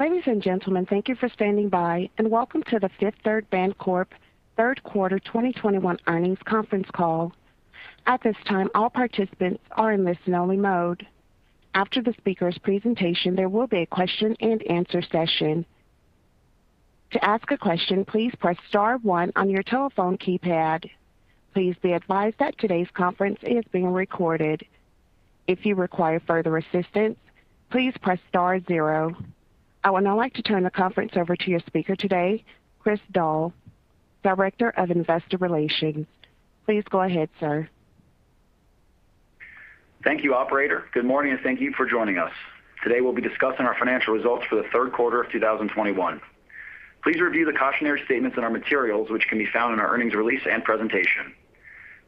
Ladies and gentlemen, thank you for standing by, and welcome to the Fifth Third Bancorp third quarter 2021 earnings conference call. At this time all participants are in listen-only mode. After the speakers presentation there will be a question and answer session. To ask a question please press star one on your telephone keypad. Please be advised that today's conference is being recorded. If you require further assistance please press star zero. I would now like to turn the conference over to your speaker today, Chris Doll, Director of Investor Relations. Please go ahead, sir. Thank you, operator. Good morning, and thank you for joining us. Today we'll be discussing our financial results for the third quarter of 2021. Please review the cautionary statements in our materials which can be found in our earnings release and presentation.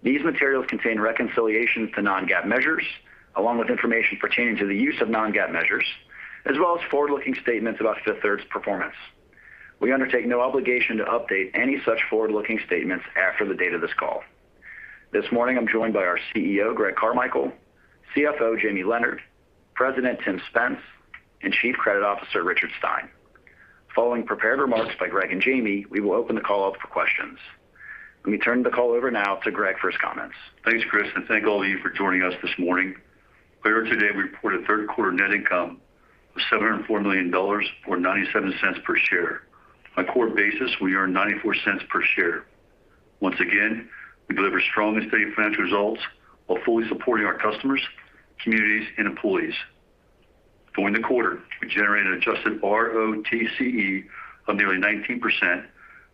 These materials contain reconciliations to non-GAAP measures, along with information pertaining to the use of non-GAAP measures, as well as forward-looking statements about Fifth Third's performance. We undertake no obligation to update any such forward-looking statements after the date of this call. This morning, I'm joined by our CEO, Greg Carmichael, CFO, Jamie Leonard, President, Tim Spence, and Chief Credit Officer, Richard Stein. Following prepared remarks by Greg and Jamie, we will open the call up for questions. Let me turn the call over now to Greg for his comments. Thanks, Chris, thank all of you for joining us this morning. Earlier today, we reported third quarter net income of $704 million, or $0.97 per share. On a core basis, we earned $0.94 per share. Once again, we deliver strong and steady financial results while fully supporting our customers, communities, and employees. During the quarter, we generated an adjusted ROTCE of nearly 19%,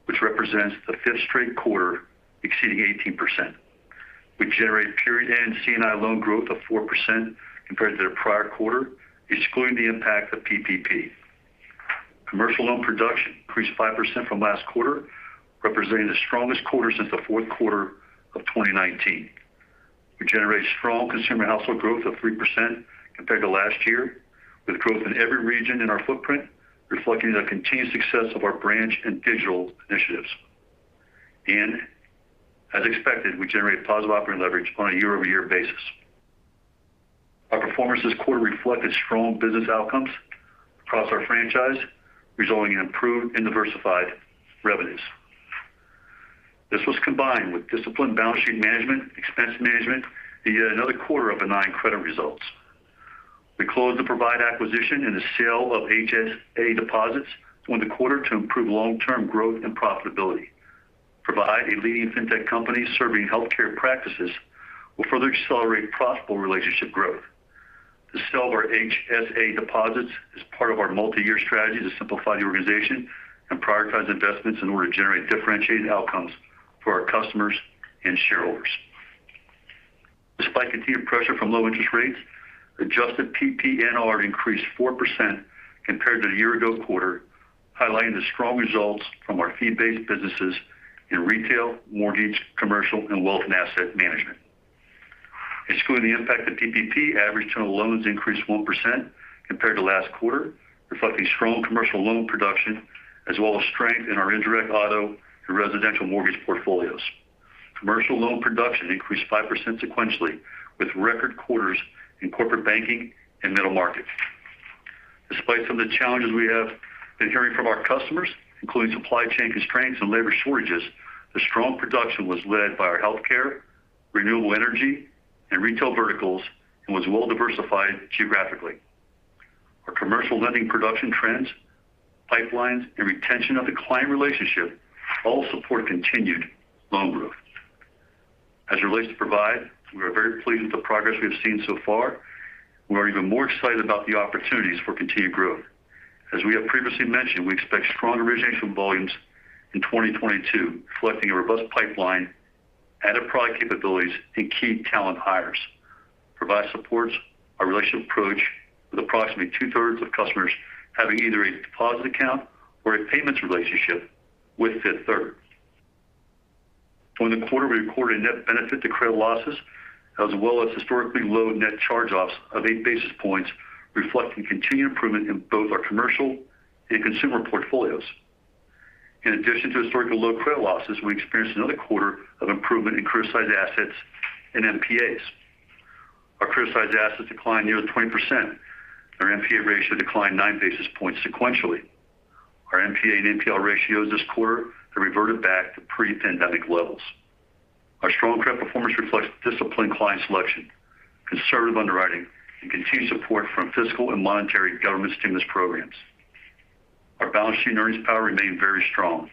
which represents the fifth straight quarter exceeding 18%. We generated period-end C&I loan growth of 4% compared to the prior quarter, excluding the impact of PPP. Commercial loan production increased 5% from last quarter, representing the strongest quarter since the fourth quarter of 2019. We generated strong consumer household growth of 3% compared to last year, with growth in every region in our footprint reflecting the continued success of our branch and digital initiatives. As expected, we generated positive operating leverage on a year-over-year basis. Our performance this quarter reflected strong business outcomes across our franchise, resulting in improved and diversified revenues. This was combined with disciplined balance sheet management, expense management via another quarter of benign credit results. We closed the Provide acquisition and the sale of HSA deposits during the quarter to improve long-term growth and profitability. Provide, a leading fintech company serving healthcare practices, will further accelerate profitable relationship growth. The sale of our HSA deposits is part of our multi-year strategy to simplify the organization and prioritize investments in order to generate differentiated outcomes for our customers and shareholders. Despite continued pressure from low interest rates, adjusted PPNR increased 4% compared to the year ago quarter, highlighting the strong results from our fee-based businesses in retail, mortgage, commercial, and wealth and asset management. Excluding the impact of PPP, average total loans increased 1% compared to last quarter, reflecting strong commercial loan production as well as strength in our indirect auto and residential mortgage portfolios. Commercial loan production increased 5% sequentially, with record quarters in corporate banking and middle market. Despite some of the challenges we have been hearing from our customers, including supply chain constraints and labor shortages, the strong production was led by our healthcare, renewable energy, and retail verticals and was well diversified geographically. Our commercial lending production trends, pipelines, and retention of the client relationship all support continued loan growth. As it relates to Provide, we are very pleased with the progress we have seen so far. We are even more excited about the opportunities for continued growth. As we have previously mentioned, we expect strong origination volumes in 2022, reflecting a robust pipeline, added product capabilities, and key talent hires. Provide supports our relationship approach with approximately two-thirds of customers having either a deposit account or a payments relationship with Fifth Third. During the quarter, we recorded a net benefit to credit losses as well as historically low net charge-offs of 8 basis points, reflecting continued improvement in both our commercial and consumer portfolios. In addition to historically low credit losses, we experienced another quarter of improvement in criticized assets and NPAs. Our criticized assets declined nearly 20%. Our NPA ratio declined 9 basis points sequentially. Our NPA and NPL ratios this quarter have reverted back to pre-pandemic levels. Our strong credit performance reflects disciplined client selection, conservative underwriting, and continued support from fiscal and monetary government stimulus programs. Our balance sheet earnings power remained very strong.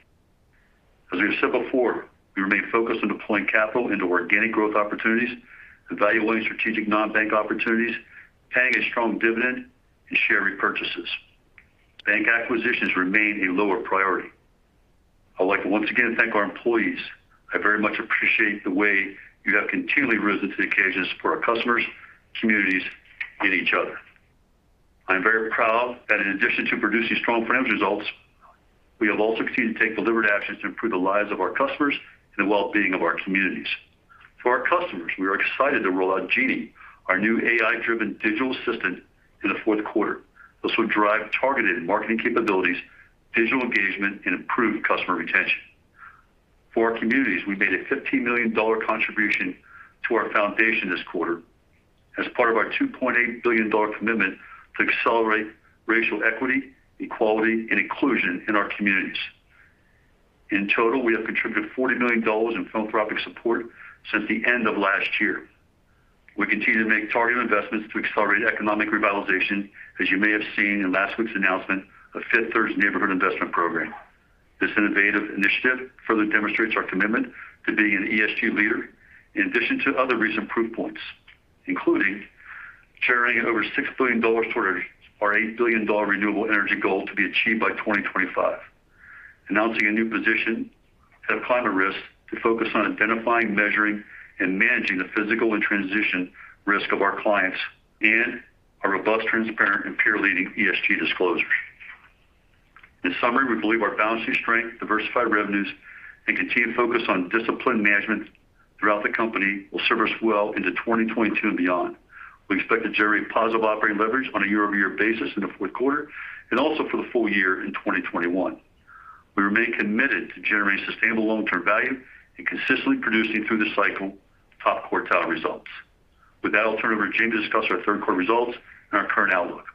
As we have said before, we remain focused on deploying capital into organic growth opportunities, evaluating strategic non-bank opportunities, paying a strong dividend, and share repurchases. Bank acquisitions remain a lower priority. I'd like to once again thank our employees. I very much appreciate the way you have continually risen to the occasions for our customers, communities, and each other. I'm very proud that in addition to producing strong financial results, we have also continued to take deliberate actions to improve the lives of our customers and the wellbeing of our communities. For our customers, we are excited to roll out Genie, our new AI-driven digital assistant, in the fourth quarter. This will drive targeted marketing capabilities, digital engagement, and improve customer retention. For our communities, we made a $15 million contribution to our foundation this quarter as part of our $2.8 billion commitment to accelerate racial equity, equality, and inclusion in our communities. In total, we have contributed $40 million in philanthropic support since the end of last year. We continue to make targeted investments to accelerate economic revitalization, as you may have seen in last week's announcement of Fifth Third's Neighborhood Investment Program. This innovative initiative further demonstrates our commitment to being an ESG leader, in addition to other recent proof points, including generating over $6 billion toward our $8 billion renewable energy goal to be achieved by 2025. Announcing a new position, Head of Climate Risk, to focus on identifying, measuring, and managing the physical and transition risk of our clients in our robust, transparent, and peer-leading ESG disclosures. In summary, we believe our balance sheet strength, diversified revenues, and continued focus on disciplined management throughout the company will serve us well into 2022 and beyond. We expect to generate positive operating leverage on a year-over-year basis in the fourth quarter and also for the full year in 2021. We remain committed to generating sustainable long-term value and consistently producing through the cycle top quartile results. With that, I'll turn it over to Jamie to discuss our third quarter results and our current outlook.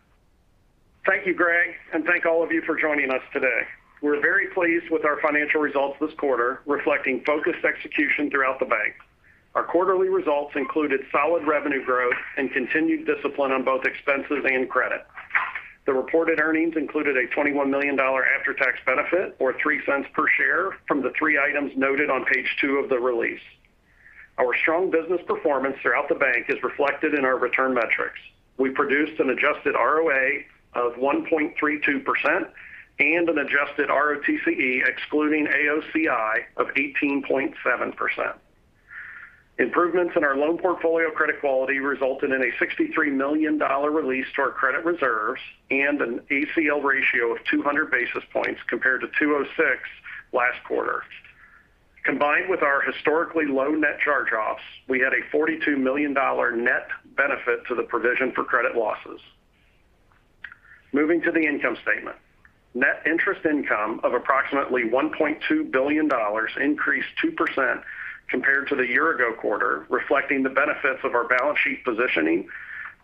Thank you, Greg, and thank all of you for joining us today. We're very pleased with our financial results this quarter, reflecting focused execution throughout the bank. Our quarterly results included solid revenue growth and continued discipline on both expenses and credit. The reported earnings included a $21 million after-tax benefit or $0.03 per share from the three items noted on page two of the release. Our strong business performance throughout the bank is reflected in our return metrics. We produced an adjusted ROA of 1.32% and an adjusted ROTCE excluding AOCI of 18.7%. Improvements in our loan portfolio credit quality resulted in a $63 million release to our credit reserves and an ACL ratio of 200 basis points compared to 206 last quarter. Combined with our historically low net charge-offs, we had a $42 million net benefit to the provision for credit losses. Moving to the income statement. Net interest income of approximately $1.2 billion increased 2% compared to the year-ago quarter, reflecting the benefits of our balance sheet positioning,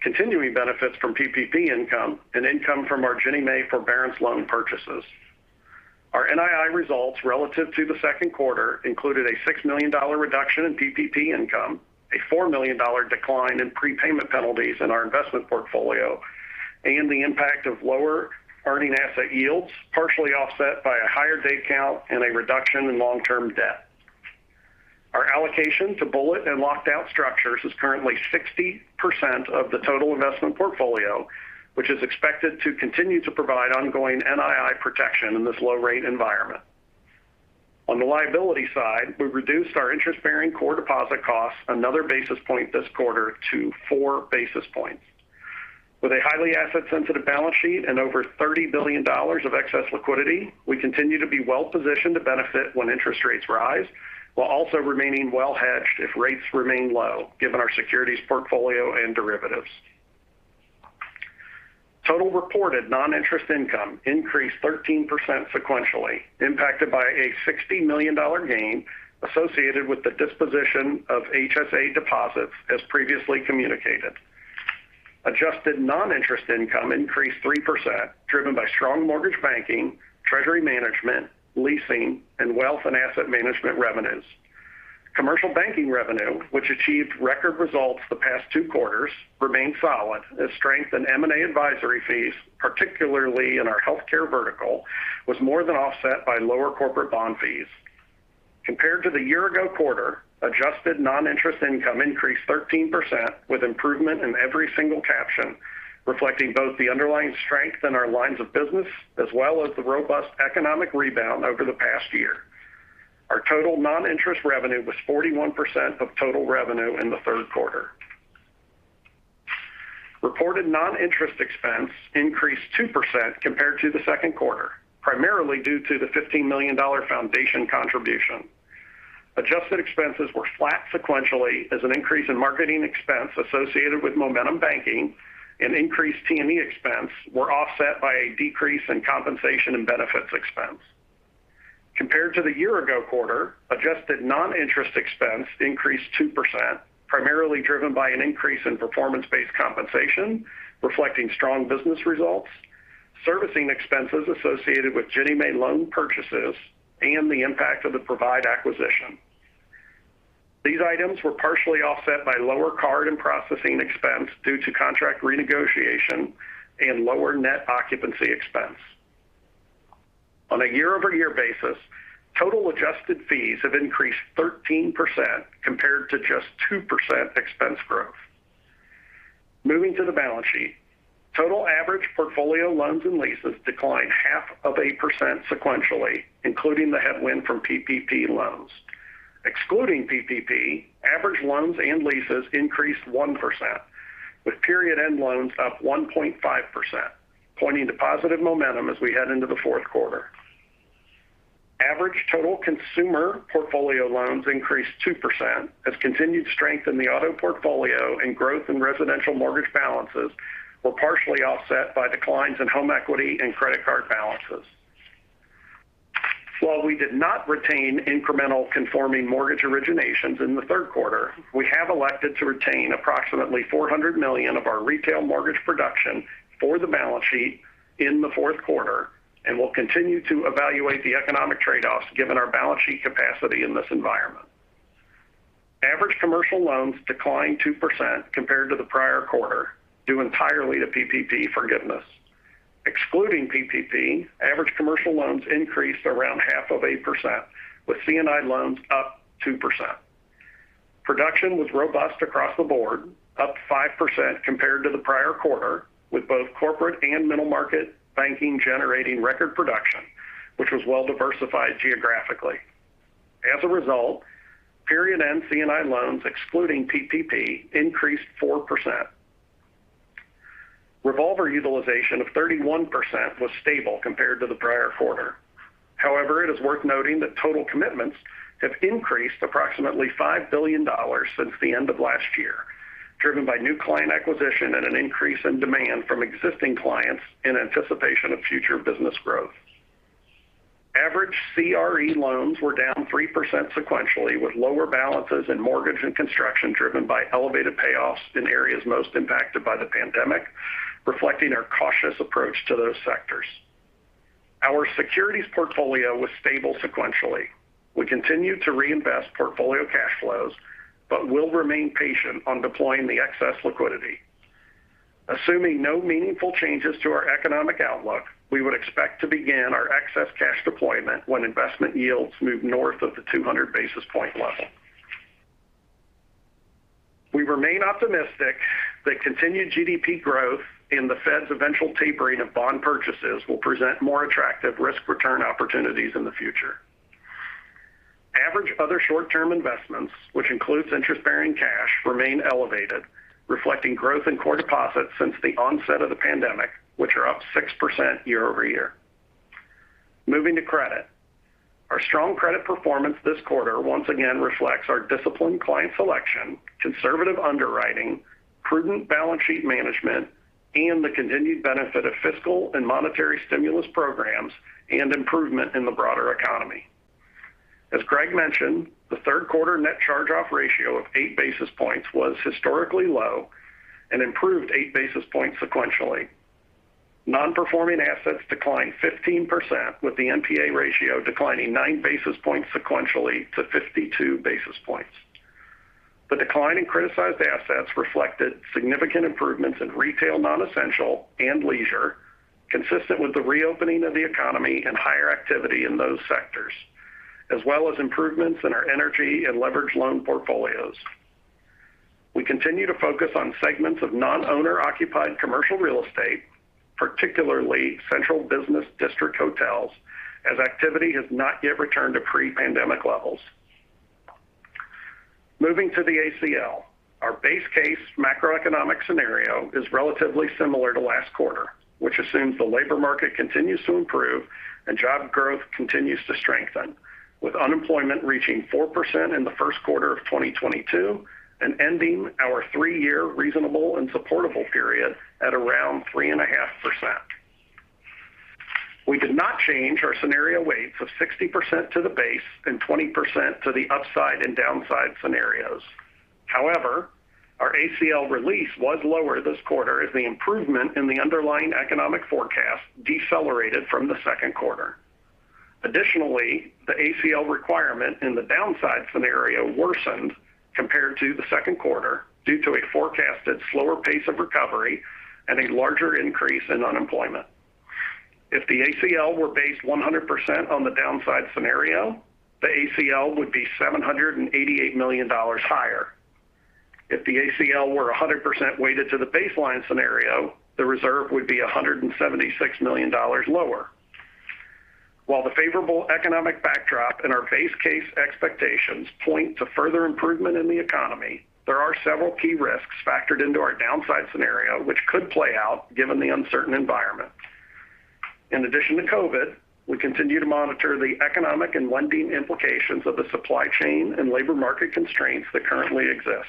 continuing benefits from PPP income, and income from our Ginnie Mae forbearance loan purchases. Our NII results relative to the second quarter included a $6 million reduction in PPP income, a $4 million decline in prepayment penalties in our investment portfolio, and the impact of lower earning asset yields, partially offset by a higher day count and a reduction in long-term debt. Our allocation to bullet and locked-out structures is currently 60% of the total investment portfolio, which is expected to continue to provide ongoing NII protection in this low-rate environment. On the liability side, we've reduced our interest-bearing core deposit costs another basis point this quarter to four basis points. With a highly asset-sensitive balance sheet and over $30 billion of excess liquidity, we continue to be well-positioned to benefit when interest rates rise, while also remaining well-hedged if rates remain low, given our securities portfolio and derivatives. Total reported non-interest income increased 13% sequentially, impacted by a $60 million gain associated with the disposition of HSA deposits, as previously communicated. Adjusted non-interest income increased 3%, driven by strong mortgage banking, treasury management, leasing, and wealth and asset management revenues. Commercial banking revenue, which achieved record results the past two quarters, remained solid as strength in M&A advisory fees, particularly in our healthcare vertical, was more than offset by lower corporate bond fees. Compared to the year-ago quarter, adjusted non-interest income increased 13%, with improvement in every single caption, reflecting both the underlying strength in our lines of business as well as the robust economic rebound over the past year. Our total non-interest revenue was 41% of total revenue in the third quarter. Reported non-interest expense increased 2% compared to the second quarter, primarily due to the $15 million foundation contribution. Adjusted expenses were flat sequentially as an increase in marketing expense associated with Momentum Banking and increased T&E expense were offset by a decrease in compensation and benefits expense. Compared to the year-ago quarter, adjusted non-interest expense increased 2%, primarily driven by an increase in performance-based compensation reflecting strong business results, servicing expenses associated with Ginnie Mae loan purchases, and the impact of the Provide acquisition. These items were partially offset by lower card and processing expense due to contract renegotiation and lower net occupancy expense. On a year-over-year basis, total adjusted fees have increased 13% compared to just 2% expense growth. Moving to the balance sheet. Total average portfolio loans and leases declined half of a percent sequentially, including the headwind from PPP loans. Excluding PPP, average loans and leases increased 1%, with period-end loans up 1.5%, pointing to positive momentum as we head into the fourth quarter. Average total consumer portfolio loans increased 2% as continued strength in the auto portfolio and growth in residential mortgage balances were partially offset by declines in home equity and credit card balances. While we did not retain incremental conforming mortgage originations in the third quarter, we have elected to retain approximately $400 million of our retail mortgage production for the balance sheet in the fourth quarter and will continue to evaluate the economic trade-offs given our balance sheet capacity in this environment. Average commercial loans declined 2% compared to the prior quarter, due entirely to PPP forgiveness. Excluding PPP, average commercial loans increased around half of 8%, with C&I loans up 2%. Production was robust across the board, up 5% compared to the prior quarter, with both corporate and middle-market banking generating record production, which was well diversified geographically. As a result, period-end C&I loans, excluding PPP, increased 4%. Revolver utilization of 31% was stable compared to the prior quarter. It is worth noting that total commitments have increased approximately $5 billion since the end of last year, driven by new client acquisition and an increase in demand from existing clients in anticipation of future business growth. Average CRE loans were down 3% sequentially, with lower balances in mortgage and construction driven by elevated payoffs in areas most impacted by the pandemic, reflecting our cautious approach to those sectors. Our securities portfolio was stable sequentially. We continue to reinvest portfolio cash flows but will remain patient on deploying the excess liquidity. Assuming no meaningful changes to our economic outlook, we would expect to begin our excess cash deployment when investment yields move north of the 200-basis point level. We remain optimistic that continued GDP growth and the Fed's eventual tapering of bond purchases will present more attractive risk-return opportunities in the future. Average other short-term investments, which includes interest-bearing cash, remain elevated, reflecting growth in core deposits since the onset of the pandemic, which are up 6% year-over-year. Moving to credit. Our strong credit performance this quarter once again reflects our disciplined client selection, conservative underwriting, prudent balance sheet management, and the continued benefit of fiscal and monetary stimulus programs and improvement in the broader economy. As Greg mentioned, the third quarter net charge-off ratio of 8 basis points was historically low and improved 8 basis points sequentially. Non-performing assets declined 15%, with the NPA ratio declining 9 basis points sequentially to 52 basis points. The decline in criticized assets reflected significant improvements in retail non-essential and leisure, consistent with the reopening of the economy and higher activity in those sectors, as well as improvements in our energy and leverage loan portfolios. We continue to focus on segments of non-owner occupied commercial real estate, particularly central business district hotels, as activity has not yet returned to pre-pandemic levels. Moving to the ACL. Our base case macroeconomic scenario is relatively similar to last quarter, which assumes the labor market continues to improve and job growth continues to strengthen, with unemployment reaching 4% in the first quarter of 2022 and ending our three-year reasonable and supportable period at around 3.5%. We did not change our scenario weights of 60% to the base and 20% to the upside and downside scenarios. Our ACL release was lower this quarter as the improvement in the underlying economic forecast decelerated from the second quarter. The ACL requirement in the downside scenario worsened compared to the second quarter due to a forecasted slower pace of recovery and a larger increase in unemployment. If the ACL were based 100% on the downside scenario, the ACL would be $788 million higher. If the ACL were 100% weighted to the baseline scenario, the reserve would be $176 million lower. While the favorable economic backdrop and our base case expectations point to further improvement in the economy, there are several key risks factored into our downside scenario which could play out given the uncertain environment. In addition to COVID, we continue to monitor the economic and lending implications of the supply chain and labor market constraints that currently exist.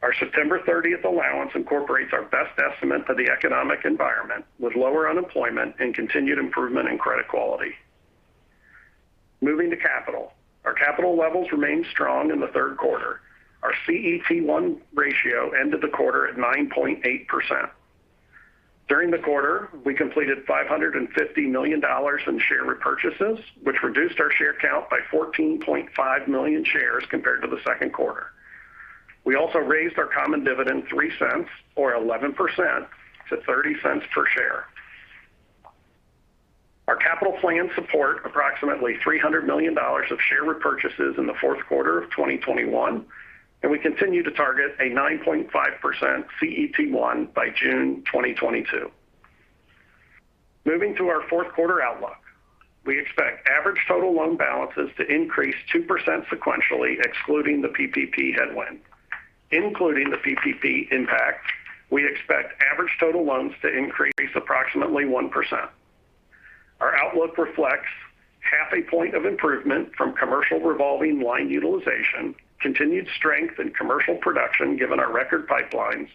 Our September 30 allowance incorporates our best estimate for the economic environment, with lower unemployment and continued improvement in credit quality. Moving to capital. Our capital levels remained strong in the third quarter. Our CET1 ratio ended the quarter at 9.8%. During the quarter, we completed $550 million in share repurchases, which reduced our share count by 14.5 million shares compared to the second quarter. We also raised our common dividend $0.03 or 11% to $0.30 per share. Our capital plans support approximately $300 million of share repurchases in the fourth quarter of 2021. We continue to target a 9.5% CET1 by June 2022. Moving to our fourth quarter outlook. We expect average total loan balances to increase 2% sequentially excluding the PPP headwind. Including the PPP impact, we expect average total loans to increase approximately 1%. Our outlook reflects half a point of improvement from commercial revolving line utilization, continued strength in commercial production, given our record pipelines,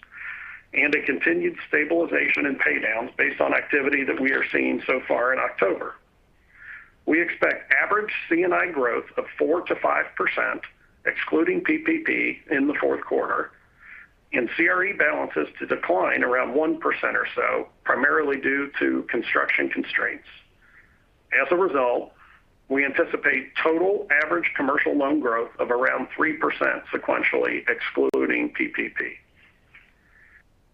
and a continued stabilization in pay-downs based on activity that we are seeing so far in October. We expect average C&I growth of 4%-5%, excluding PPP in the fourth quarter, and CRE balances to decline around 1% or so, primarily due to construction constraints. As a result, we anticipate total average commercial loan growth of around 3% sequentially, excluding PPP.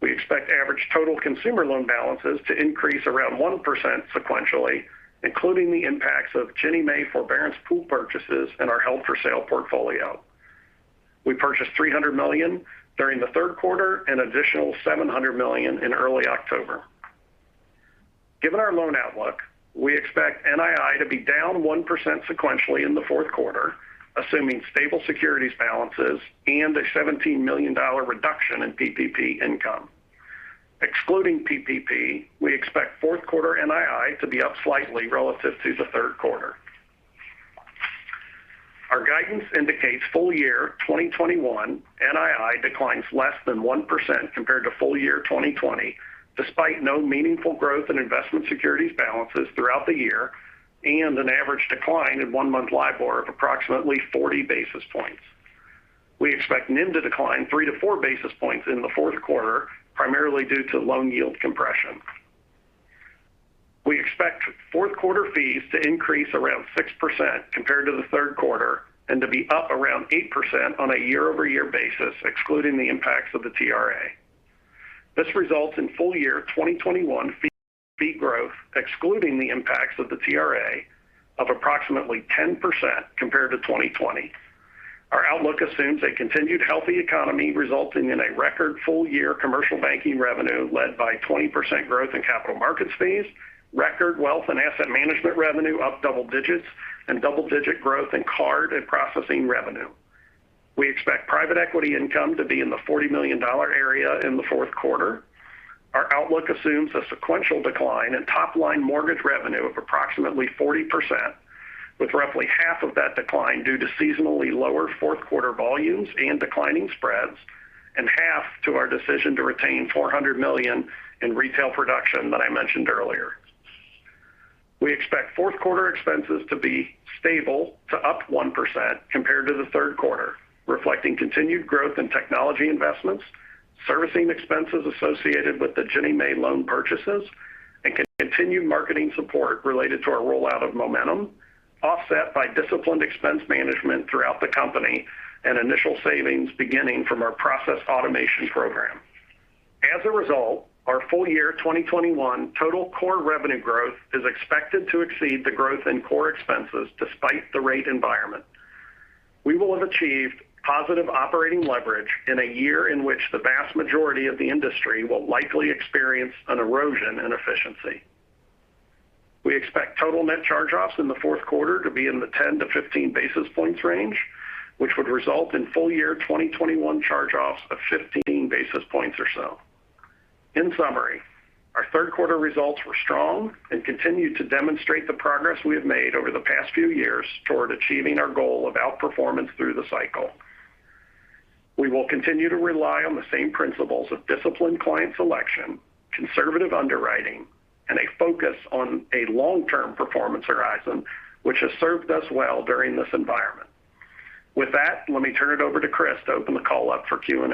We expect average total consumer loan balances to increase around 1% sequentially, including the impacts of Ginnie Mae forbearance pool purchases and our held for sale portfolio. We purchased $300 million during the third quarter and additional $700 million in early October. Given our loan outlook, we expect NII to be down 1% sequentially in the fourth quarter, assuming stable securities balances and a $17 million reduction in PPP income. Excluding PPP, we expect fourth quarter NII to be up slightly relative to the third quarter. Our guidance indicates full year 2021 NII declines less than 1% compared to full year 2020, despite no meaningful growth in investment securities balances throughout the year, and an average decline in one-month LIBOR of approximately 40 basis points. We expect NIM to decline 3-4 basis points in the fourth quarter, primarily due to loan yield compression. We expect fourth quarter fees to increase around 6% compared to the third quarter, and to be up around 8% on a year-over-year basis, excluding the impacts of the TRA. This results in full year 2021 fee growth, excluding the impacts of the TRA, of approximately 10% compared to 2020. Our outlook assumes a continued healthy economy, resulting in a record full-year commercial banking revenue led by 20% growth in capital markets fees, record wealth and asset management revenue up double digits, and double-digit growth in card and processing revenue. We expect private equity income to be in the $40 million area in the fourth quarter. Our outlook assumes a sequential decline in top-line mortgage revenue of approximately 40%, with roughly half of that decline due to seasonally lower fourth quarter volumes and declining spreads, and half to our decision to retain $400 million in retail production that I mentioned earlier. We expect fourth quarter expenses to be stable to up 1% compared to the third quarter, reflecting continued growth in technology investments, servicing expenses associated with the Ginnie Mae loan purchases, and continued marketing support related to our rollout of momentum, offset by disciplined expense management throughout the company and initial savings beginning from our process automation program. As a result, our full-year 2021 total core revenue growth is expected to exceed the growth in core expenses despite the rate environment. We will have achieved positive operating leverage in a year in which the vast majority of the industry will likely experience an erosion in efficiency. We expect total net charge-offs in the fourth quarter to be in the 10-15 basis points range, which would result in full year 2021 charge-offs of 15 basis points or so. In summary, our third quarter results were strong and continue to demonstrate the progress we have made over the past few years toward achieving our goal of outperformance through the cycle. We will continue to rely on the same principles of disciplined client selection, conservative underwriting, and a focus on a long-term performance horizon, which has served us well during this environment. With that, let me turn it over to Chris to open the call up for Q&A.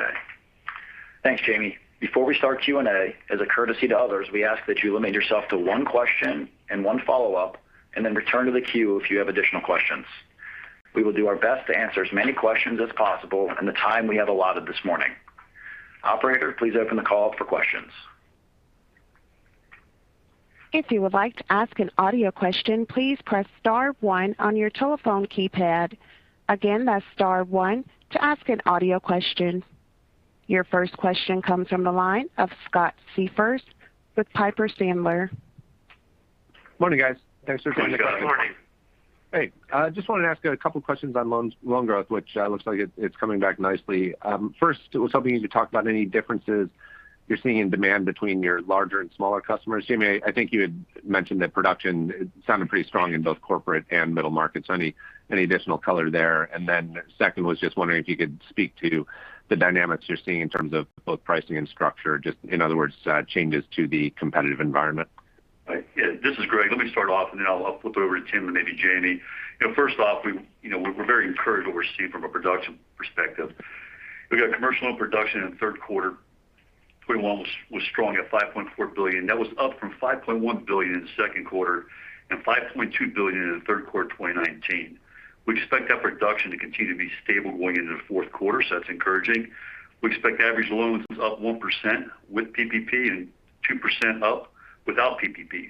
Thanks, Jamie. Before we start Q&A, as a courtesy to others, we ask that you limit yourself to one question and one follow-up, and then return to the queue if you have additional questions. We will do our best to answer as many questions as possible in the time we have allotted this morning. Operator, please open the call up for questions. If you would like to ask an audio question, please press star one on your telephone keypad. Again, that's star one to ask an audio question. Your first question comes from the line of Scott Siefers with Piper Sandler. Morning, guys. Thanks for taking the call. Hey. I just wanted to ask a couple questions on loan growth, which looks like it's coming back nicely. First, I was hoping you could talk about any differences you're seeing in demand between your larger and smaller customers. Jamie, I think you had mentioned that production sounded pretty strong in both corporate and middle markets. Any additional color there? Second was just wondering if you could speak to the dynamics you're seeing in terms of both pricing and structure, just in other words, changes to the competitive environment. This is Greg. Let me start off and then I'll flip it over to Tim and maybe Jamie. We're very encouraged what we're seeing from a production perspective. We got commercial loan production in the third quarter 2021 was strong at $5.4 billion. That was up from $5.1 billion in the second quarter and $5.2 billion in the third quarter 2019. We expect that production to continue to be stable going into the fourth quarter. That's encouraging. We expect average loans up 1% with PPP and 2% up without PPP.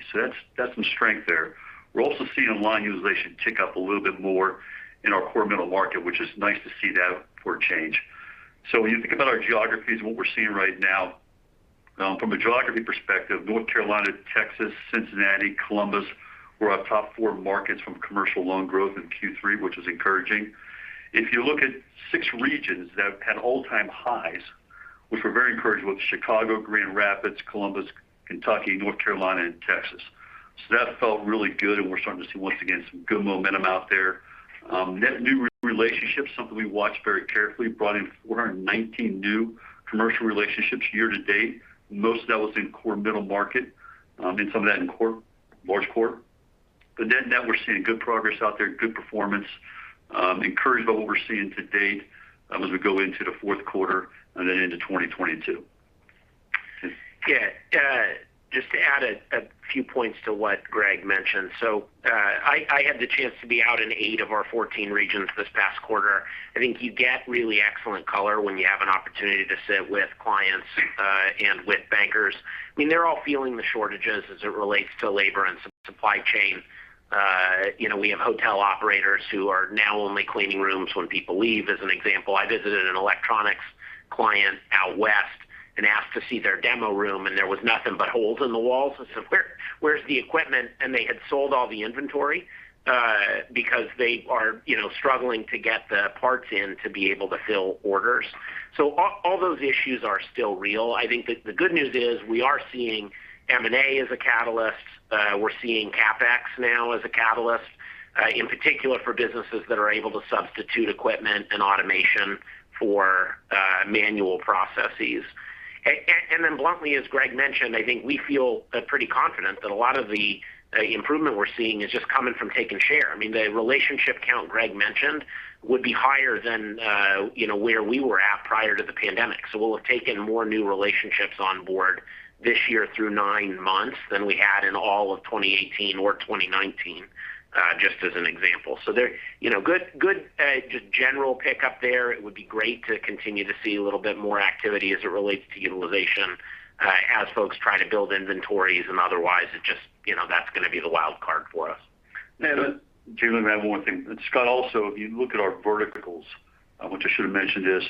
That's some strength there. We're also seeing line utilization tick up a little bit more in our core middle market, which is nice to see that for a change. When you think about our geographies and what we're seeing right now, from a geography perspective, North Carolina, Texas, Cincinnati, Columbus, were our top four markets from commercial loan growth in Q3, which is encouraging. If you look at six regions that had all-time highs. We feel very encouraged with Chicago, Grand Rapids, Columbus, Kentucky, North Carolina, and Texas. That felt really good, and we're starting to see, once again, some good momentum out there. Net new relationships, something we watch very carefully, brought in 419 new commercial relationships year to date. Most of that was in core middle market, and some of that in large core. Net-net, we're seeing good progress out there, good performance. Encouraged by what we're seeing to date as we go into the fourth quarter, and then into 2022. Just to add a few points to what Greg mentioned. I had the chance to be out in eight of our 14 regions this past quarter. I think you get really excellent color when you have an opportunity to sit with clients, and with bankers. They're all feeling the shortages as it relates to labor and some supply chain. We have hotel operators who are now only cleaning rooms when people leave, as an example. I visited an electronics client out west and asked to see their demo room, and there was nothing but holes in the walls. I said, "Where's the equipment?" They had sold all the inventory, because they are struggling to get the parts in to be able to fill orders. All those issues are still real. I think that the good news is we are seeing M&A as a catalyst. We're seeing CapEx now as a catalyst, in particular for businesses that are able to substitute equipment and automation for manual processes. Then bluntly, as Greg mentioned, I think we feel pretty confident that a lot of the improvement we're seeing is just coming from taking share. The relationship count Greg Carmichael mentioned would be higher than where we were at prior to the pandemic. We'll have taken more new relationships on board this year through nine months than we had in all of 2018 or 2019, just as an example. There, good just general pickup there. It would be great to continue to see a little bit more activity as it relates to utilization, as folks try to build inventories and otherwise, that's going to be the wild card for us. Then, just to add a little color, I have one thing. Scott, also, if you look at our verticals, which I should've mentioned this.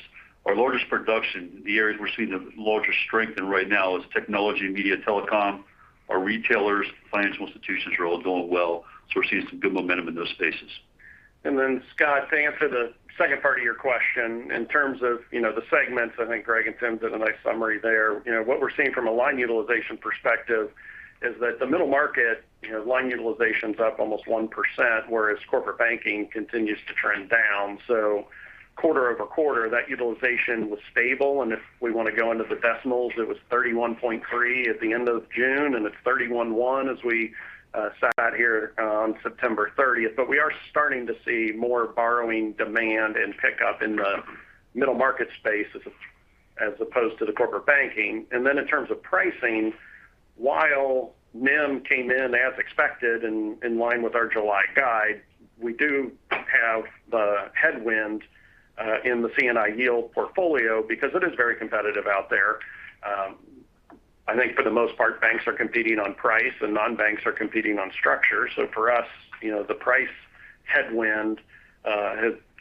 Our largest production, the areas we're seeing the largest strength in right now is technology, media, telecom. Our retailers, financial institutions are all doing well. We're seeing some good momentum in those spaces. Scott, to answer the second part of your question, in terms of the segments, I think Greg and Tim did a nice summary there. What we're seeing from a line utilization perspective is that the middle market, line utilization's up almost 1%, whereas corporate banking continues to trend down. Quarter-over-quarter, that utilization was stable, and if we want to go into the decimals, it was 31.3 at the end of June, and it's 31.1 as we sat here on September 30th. We are starting to see more borrowing demand and pickup in the middle market space as opposed to the corporate banking. In terms of pricing, while NIM came in as expected and in line with our July guide, we do have the headwind in the C&I yield portfolio because it is very competitive out there. I think for the most part, banks are competing on price, and non-banks are competing on structure. For us, the price headwind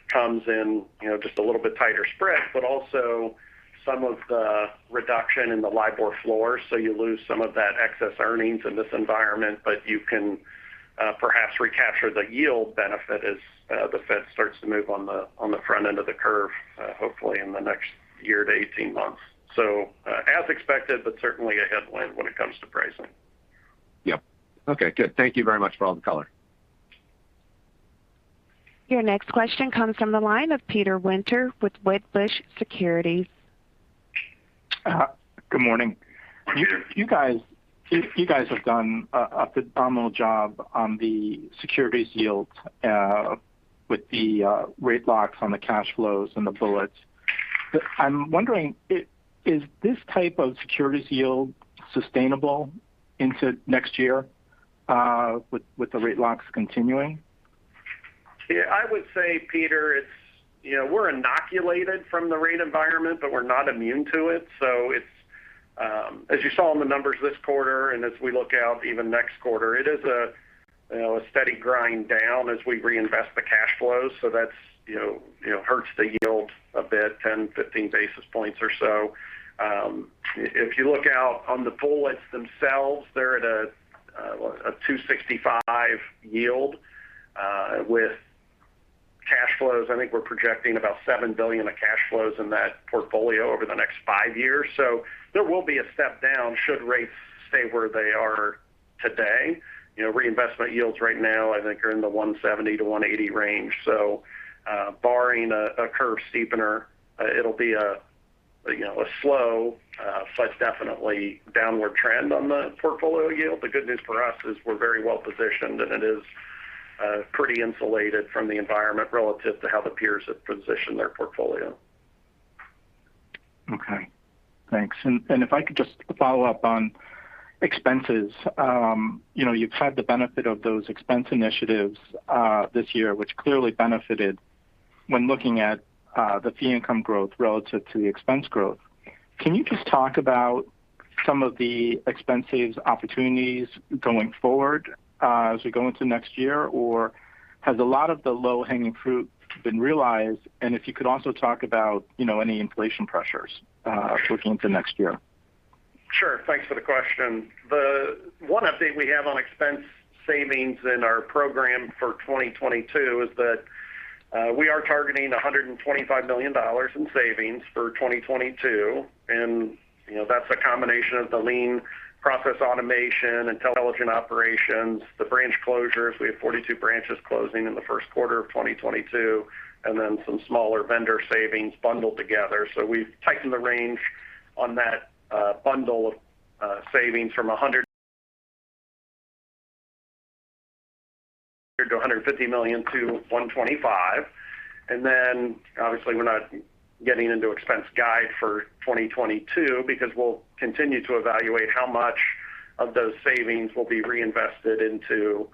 comes in just a little bit tighter spread, but also some of the reduction in the LIBOR floor, so you lose some of that excess earnings in this environment. You can perhaps recapture the yield benefit as the Fed starts to move on the front end of the curve, hopefully in the next year to 18 months. As expected, but certainly a headwind when it comes to pricing. Yep. Okay, good. Thank you very much for all the color. Your next question comes from the line of Peter Winter with Wedbush Securities. Good morning. Good morning. You guys have done a phenomenal job on the securities yields with the rate locks on the cash flows and the bullets. I'm wondering, is this type of securities yield sustainable into next year with the rate locks continuing? Yeah, I would say, Peter, we're inoculated from the rate environment, but we're not immune to it. As you saw in the numbers this quarter, and as we look out even next quarter, it is a steady grind down as we reinvest the cash flows. That hurts the yield a bit, 10, 15 basis points or so. If you look out on the bullets themselves, they're at a 265 yield with cash flows. I think we're projecting about $7 billion of cash flows in that portfolio over the next five years. There will be a step down should rates stay where they are today. Reinvestment yields right now I think are in the 170-180 range. Barring a curve steepener, it'll be a slow but definitely downward trend on the portfolio yield. The good news for us is we're very well positioned, it is pretty insulated from the environment relative to how the peers have positioned their portfolio. Okay. Thanks. If I could just follow up on expenses. You've had the benefit of those expense initiatives this year, which clearly benefited when looking at the fee income growth relative to the expense growth. Can you just talk about some of the expenses opportunities going forward as we go into next year? Has a lot of the low-hanging fruit been realized? If you could also talk about any inflation pressures looking to next year. Thanks for the question. The one update we have on expense savings in our program for 2022 is that we are targeting $125 million in savings for 2022. That's a combination of the lean process automation, intelligent operations, the branch closures. We have 42 branches closing in the first quarter of 2022, some smaller vendor savings bundled together. We've tightened the range on that bundle of savings from $100 million-$150 million to $125 million. Obviously we're not getting into expense guide for 2022 because we'll continue to evaluate how much of those savings will be reinvested into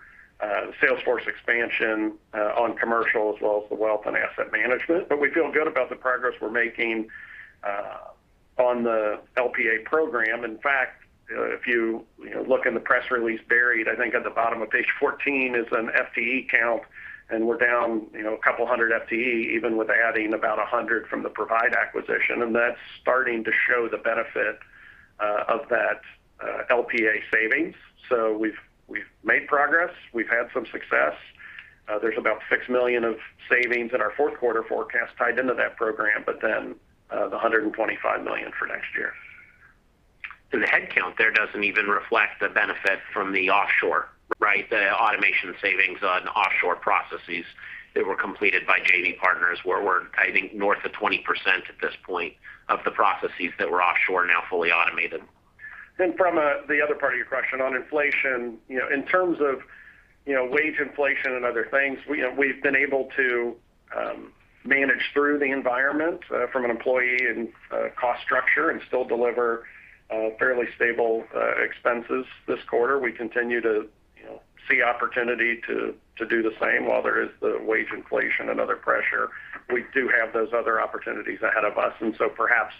Salesforce expansion on commercial as well as the wealth and asset management. We feel good about the progress we're making on the LPA program. In fact, if you look in the press release buried, I think at the bottom of page 14 is an FTE count, and we're down 200 FTE even with adding 100 from the Provide acquisition. That's starting to show the benefit of that LPA savings. We've made progress. We've had some success. There's about $6 million of savings in our fourth quarter forecast tied into that program, but then the $125 million for next year. The headcount there doesn't even reflect the benefit from the offshore, right? The automation savings on offshore processes that were completed by JV Partners where we're, I think, north of 20% at this point of the processes that were offshore now fully automated. From the other part of your question on inflation. In terms of wage inflation and other things, we've been able to manage through the environment from an employee and cost structure and still deliver fairly stable expenses this quarter. We continue to see opportunity to do the same. While there is the wage inflation and other pressure, we do have those other opportunities ahead of us. Perhaps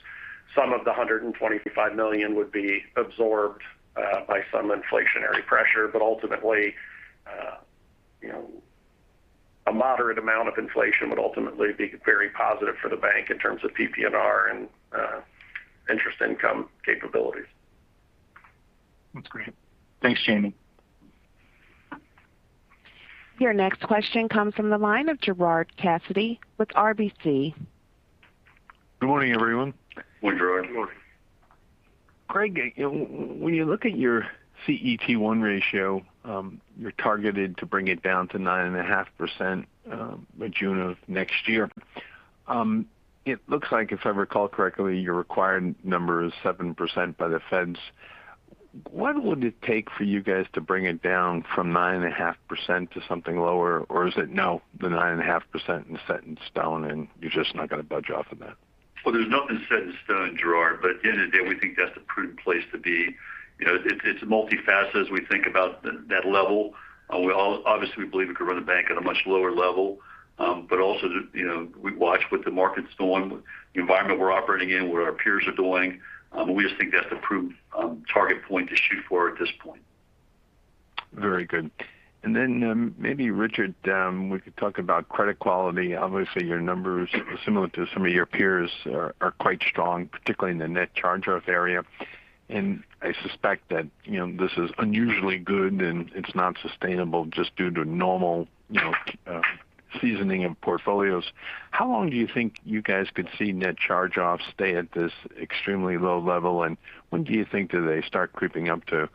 some of the $125 million would be absorbed by some inflationary pressure. Ultimately, a moderate amount of inflation would ultimately be very positive for the bank in terms of PPNR and interest income capabilities. That's great. Thanks, Jamie. Your next question comes from the line of Gerard Cassidy with RBC. Good morning, everyone. Good morning. Good morning. Greg, when you look at your CET1 ratio, you're targeted to bring it down to 9.5% by June of next year. It looks like if I recall correctly, your required number is 7% by the Feds. What would it take for you guys to bring it down from 9.5% to something lower? Is it no, the 9.5% is set in stone and you're just not going to budge off of that? Well, there's nothing set in stone, Gerard. At the end of the day, we think that's a prudent place to be. It's multifaceted as we think about that level. Obviously we believe we could run a bank at a much lower level. Also, we watch what the market's doing, the environment we're operating in, what our peers are doing. We just think that's the prudent target point to shoot for at this point. Very good. Then maybe Richard, we could talk about credit quality. Obviously, your numbers, similar to some of your peers, are quite strong, particularly in the net charge-off area. I suspect that this is unusually good and it's not sustainable just due to normal seasoning of portfolios. How long do you think you guys could see net charge-offs stay at this extremely low level? When do you think do they start creeping up to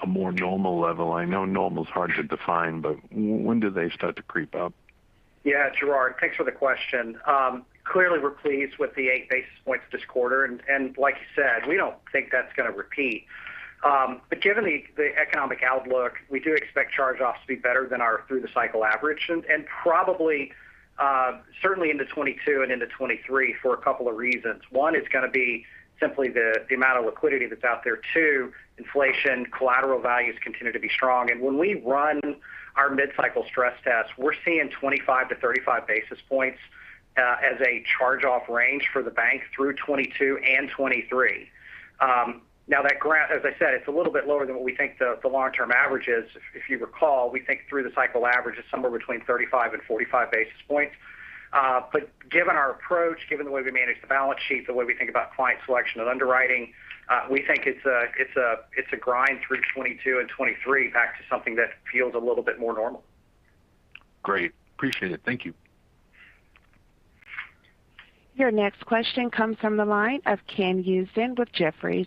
a more normal level? I know normal is hard to define, when do they start to creep up? Yeah. Gerard, thanks for the question. Clearly we're pleased with the 8 basis points this quarter, and like you said, we don't think that's going to repeat. Given the economic outlook, we do expect charge-offs to be better than our through the cycle average, and probably certainly into 2022 and into 2023 for two reasons. One is going to be simply the amount of liquidity that's out there. Two, inflation collateral values continue to be strong. When we run our mid-cycle stress test, we're seeing 25-35 basis points as a charge-off range for the bank through 2022 and 2023. Granted, as I said, it's a little bit lower than what we think the long-term average is. If you recall, we think through the cycle average is somewhere between 35 and 45 basis points. Given our approach, given the way we manage the balance sheet, the way we think about client selection and underwriting, we think it's a grind through 2022 and 2023 back to something that feels a little bit more normal. Great. Appreciate it. Thank you. Your next question comes from the line of Ken Usdin with Jefferies.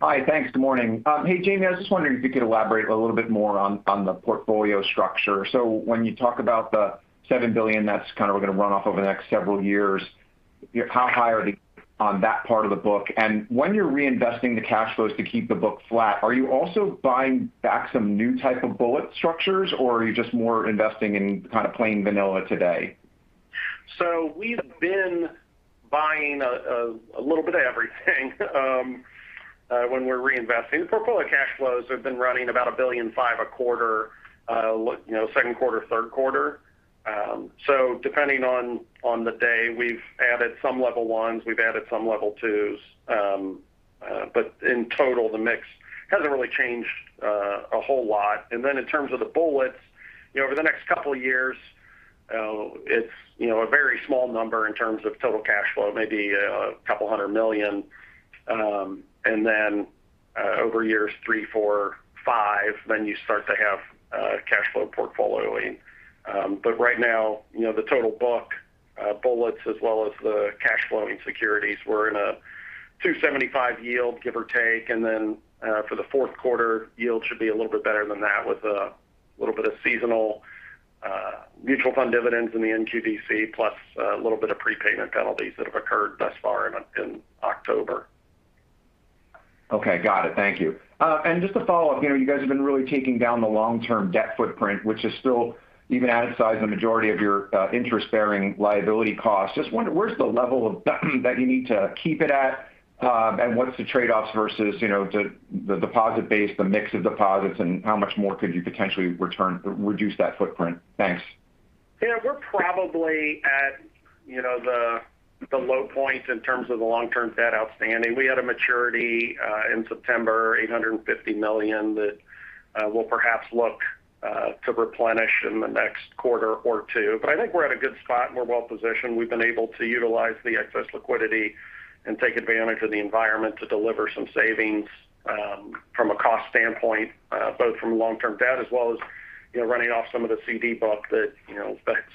Hi. Thanks. Good morning. Hey, Jamie, I was just wondering if you could elaborate a little bit more on the portfolio structure. When you talk about the $7 billion that's kind of going to run off over the next several years, how high are they on that part of the book? When you're reinvesting the cash flows to keep the book flat, are you also buying back some new type of bullet structures, or are you just more investing in kind of plain vanilla today? We've been buying a little bit of everything when we're reinvesting. The portfolio cash flows have been running about $1.5 billion a quarter. Second quarter, third quarter. Depending on the day, we've added some level 1s, we've added some level 2s. In total, the mix hasn't really changed a whole lot. In terms of the bullets, over the next couple of years It's a very small number in terms of total cash flow, maybe a couple hundred million. Over years three, four, five, then you start to have cash flow portfolioing. Right now, the total book bullets as well as the cash flowing securities, we're in a 275 yield, give or take. For the fourth quarter, yield should be a little bit better than that with a little bit of seasonal mutual fund dividends in the NQDC, plus a little bit of prepayment penalties that have occurred thus far in October. Okay. Got it. Thank you. Just to follow up, you guys have been really taking down the long-term debt footprint, which is still even out of size the majority of your interest-bearing liability costs. Just wonder where's the level of debt that you need to keep it at? What's the trade-offs versus the deposit base, the mix of deposits, and how much more could you potentially reduce that footprint? Thanks. Yeah. We're probably at the low point in terms of the long-term debt outstanding. We had a maturity in September, $850 million, that we'll perhaps look to replenish in the next quarter or two. I think we're at a good spot, and we're well-positioned. We've been able to utilize the excess liquidity and take advantage of the environment to deliver some savings from a cost standpoint both from a long-term debt as well as running off some of the CD book that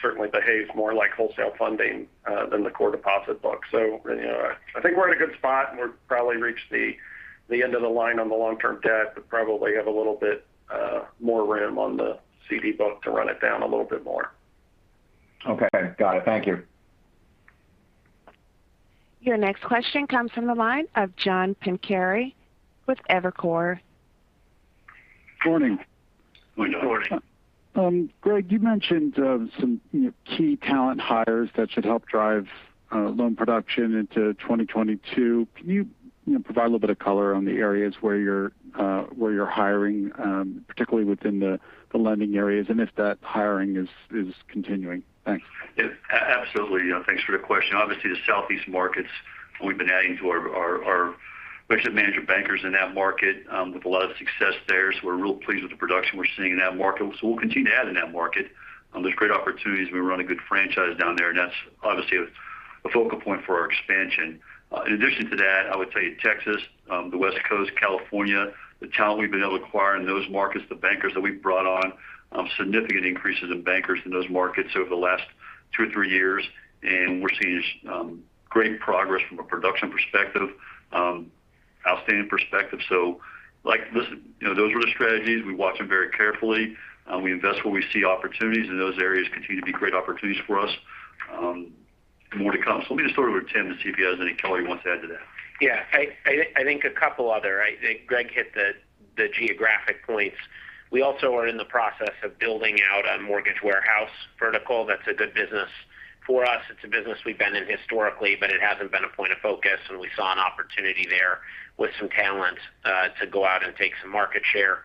certainly behaves more like wholesale funding than the core deposit book. I think we're in a good spot, and we're probably reached the end of the line on the long-term debt, but probably have a little bit more room on the CD book to run it down a little bit more. Okay. Got it. Thank you. Your next question comes from the line of John Pancari with Evercore. Good morning. Good morning. Greg, you mentioned some key talent hires that should help drive loan production into 2022. Can you provide a little bit of color on the areas where you're hiring, particularly within the lending areas, and if that hiring is continuing? Thanks. Yeah. Absolutely. Thanks for the question. Obviously, the Southeast markets we've been adding to our relationship manager bankers in that market with a lot of success there. We're real pleased with the production we're seeing in that market. We'll continue to add in that market. There's great opportunities. We run a good franchise down there, and that's obviously a focal point for our expansion. In addition to that, I would tell you Texas, the West Coast, California, the talent we've been able to acquire in those markets, the bankers that we've brought on, significant increases in bankers in those markets over the last 2 or 3 years. We're seeing great progress from a production perspective, outstanding perspective. Those are the strategies. We watch them very carefully. We invest where we see opportunities, and those areas continue to be great opportunities for us. More to come. Let me just throw it over to Tim to see if he has any color he wants to add to that. Yeah. I think Greg hit the geographic points. We also are in the process of building out a mortgage warehouse vertical that's a good business for us. It's a business we've been in historically, but it hasn't been a point of focus, and we saw an opportunity there with some talent to go out and take some market share.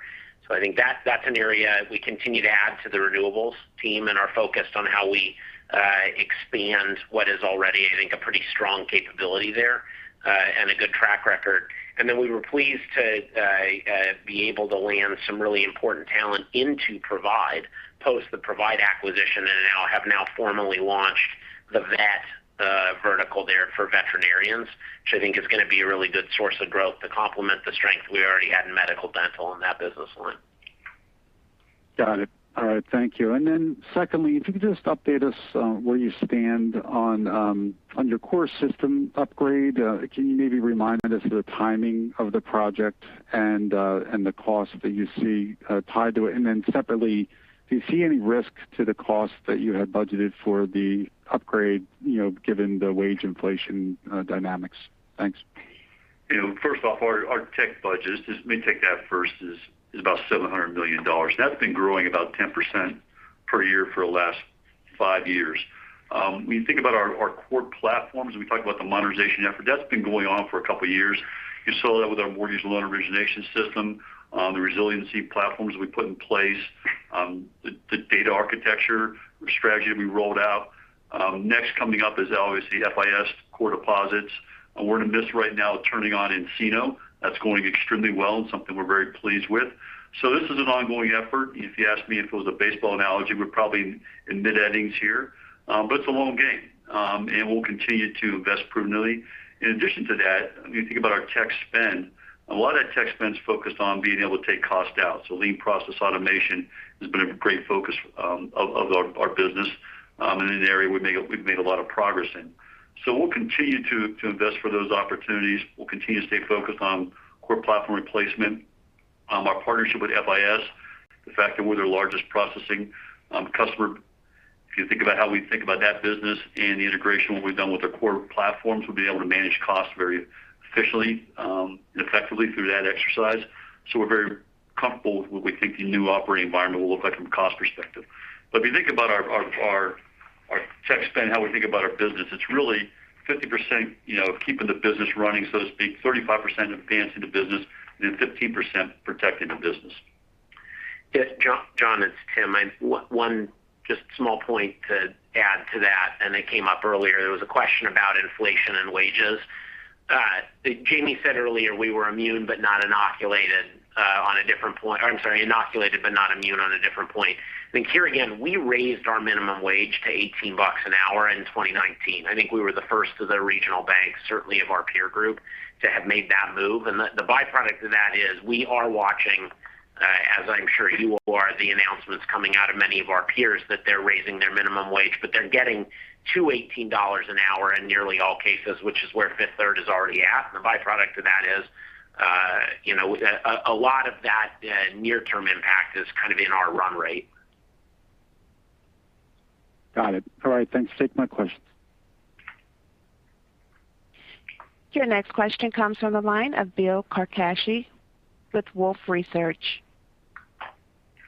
I think that's an area we continue to add to the renewables team and are focused on how we expand what is already, I think, a pretty strong capability there and a good track record. Then we were pleased to be able to land some really important talent into Provide post the Provide acquisition, and have now formally launched the vet vertical there for veterinarians, which I think is going to be a really good source of growth to complement the strength we already had in medical, dental in that business line. Got it. All right. Thank you. Secondly, if you could just update us where you stand on your core system upgrade? Can you maybe remind us of the timing of the project and the cost that you see tied to it? Separately, do you see any risk to the cost that you had budgeted for the upgrade given the wage inflation dynamics? First off, our tech budget, just let me take that first, is about $700 million. That's been growing about 10% per year for the last five years. When you think about our core platforms, and we talk about the modernization effort, that's been going on for a couple of years. You saw that with our mortgage loan origination system, the resiliency platforms we put in place, the data architecture strategy that we rolled out. Next coming up is obviously FIS core deposits. We're in this right now turning on nCino. That's going extremely well and something we're very pleased with. This is an ongoing effort. If you asked me if it was a baseball analogy, we're probably in mid-innings here. It's a long game, and we'll continue to invest prudently. In addition to that, when you think about our tech spend, a lot of that tech spend is focused on being able to take cost out. Lean process automation has been a great focus of our business and an area we've made a lot of progress in. We'll continue to invest for those opportunities. We'll continue to stay focused on core platform replacement. Our partnership with FIS, the fact that we're their largest processing customer. If you think about how we think about that business and the integration, what we've done with our core platforms, we'll be able to manage costs very efficiently and effectively through that exercise. We're very comfortable with what we think the new operating environment will look like from a cost perspective. If you think about our tech spend, how we think about our business, it's really 50% of keeping the business running, so to speak, 35% advancing the business, and then 15% protecting the business. John, it's Tim. One just small point to add to that, and it came up earlier. There was a question about inflation and wages. Jamie said earlier we were immune but not inoculated on a different point, or I'm sorry, inoculated but not immune on a different point. Here again, we raised our minimum wage to $18 an hour in 2019. We were the first of the regional banks, certainly of our peer group, to have made that move. The byproduct of that is we are watching, as I'm sure you are, the announcements coming out of many of our peers that they're raising their minimum wage. They're getting to $18 an hour in nearly all cases, which is where Fifth Third is already at. The byproduct of that is a lot of that near-term impact is kind of in our run rate. Got it. All right, thanks. Take my questions. Your next question comes from the line of Bill Carcache with Wolfe Research.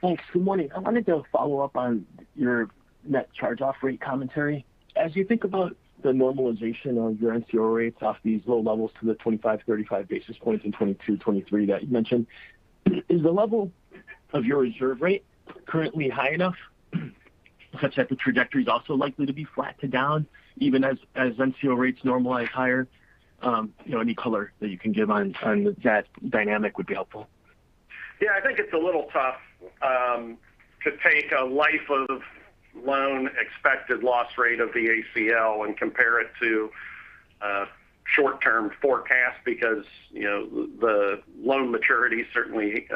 Thanks. Good morning. I wanted to follow up on your net charge-off rate commentary. As you think about the normalization of your NCO rates off these low levels to the 25, 35 basis points in 2022, 2023 that you mentioned, is the level of your reserve rate currently high enough such that the trajectory is also likely to be flat to down even as NCO rates normalize higher? Any color that you can give on that dynamic would be helpful. Yeah, I think it's a little tough to take a life of loan expected loss rate of the ACL and compare it to a short-term forecast because the loan maturities certainly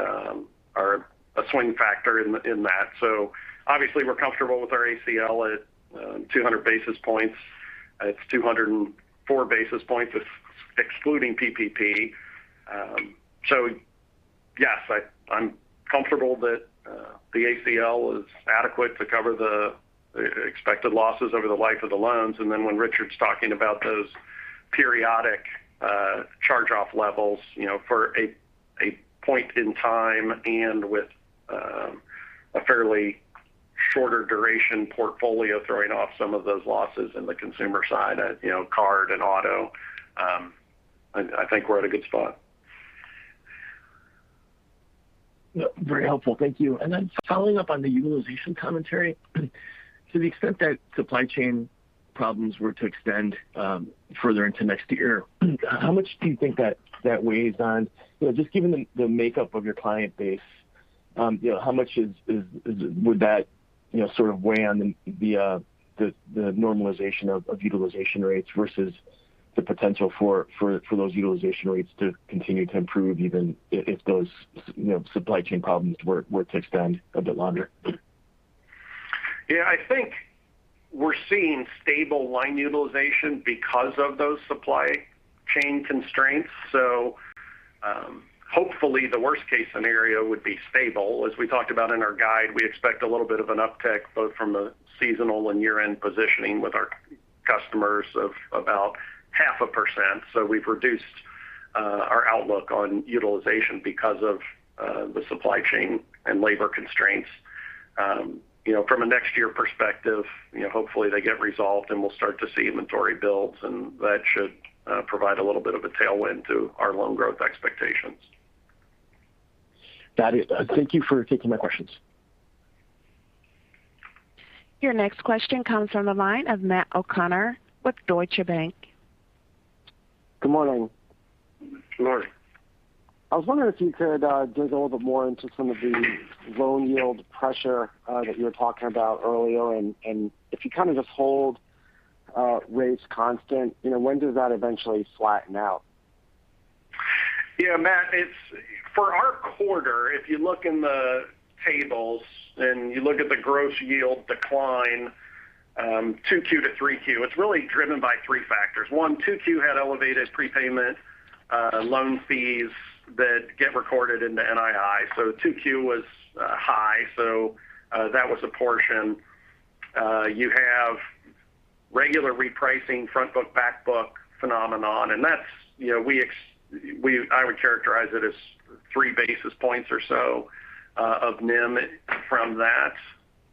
are a swing factor in that. Obviously, we're comfortable with our ACL at 200 basis points. It's 204 basis points excluding PPP. Yes, I'm comfortable that the ACL is adequate to cover the expected losses over the life of the loans. When Richard's talking about those periodic charge-off levels for a point in time and with a fairly shorter duration portfolio throwing off some of those losses in the consumer side, card and auto, I think we're at a good spot. Very helpful. Thank you. Following up on the utilization commentary. To the extent that supply chain problems were to extend further into next year, just given the makeup of your client base, how much would that sort of weigh on the normalization of utilization rates versus the potential for those utilization rates to continue to improve even if those supply chain problems were to extend a bit longer? Yeah, I think we're seeing stable line utilization because of those supply chain constraints. Hopefully, the worst-case scenario would be stable. As we talked about in our guide, we expect a little bit of an uptick, both from a seasonal and year-end positioning with our customers of about 0.5%. We've reduced our outlook on utilization because of the supply chain and labor constraints. From a next year perspective, hopefully they get resolved and we'll start to see inventory builds and that should provide a little bit of a tailwind to our loan growth expectations. Got it. Thank you for taking my questions. Your next question comes from the line of Matt O'Connor with Deutsche Bank. Good morning. Good morning. I was wondering if you could dig a little bit more into some of the loan yield pressure that you were talking about earlier, and if you kind of just hold rates constant, when does that eventually flatten out? Yeah, Matt, for our quarter, if you look in the tables and you look at the gross yield decline 2Q to 3Q, it's really driven by three factors. One, 2Q had elevated prepayment loan fees that get recorded in the NII. 2Q was high, so that was a portion. You have regular repricing front book, back book phenomenon, I would characterize it as 3 basis points or so of NIM from that.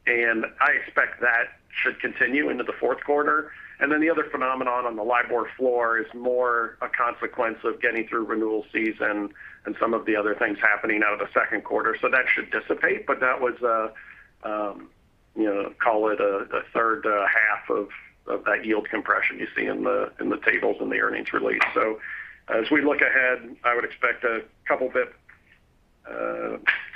I expect that should continue into the fourth quarter. The other phenomenon on the LIBOR floor is more a consequence of getting through renewal season and some of the other things happening out of the second quarter. That should dissipate, that was, call it a third to a half of that yield compression you see in the tables in the earnings release. As we look ahead, I would expect a couple bps,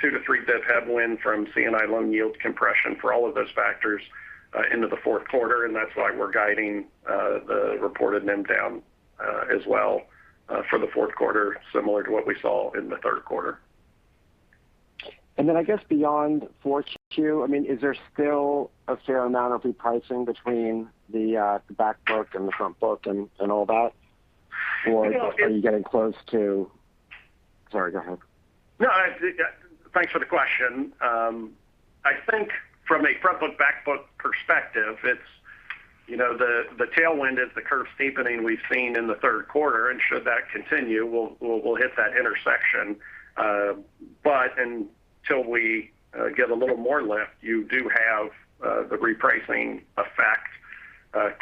2-3 bps headwind from C&I loan yield compression for all of those factors into the fourth quarter. That's why we're guiding the reported NIM down as well for the fourth quarter, similar to what we saw in the third quarter. I guess beyond 4Q, is there still a fair amount of repricing between the back book and the front book and all that? Sorry, go ahead. Thanks for the question. I think from a front book, back book perspective, the tailwind is the curve steepening we've seen in the third quarter, and should that continue, we'll hit that intersection. Until we get a little more lift, you do have the repricing effect